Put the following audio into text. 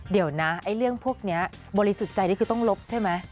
เดี๋ยวนะไอ้เรื่องพวกนี้บริสุทธิ์ใจนี่คือต้องลบใช่ไหม